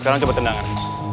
sekarang coba tendangan